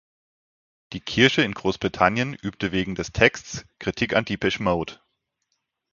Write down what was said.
Die Kirche in Großbritannien übte wegen des Texts Kritik an Depeche Mode.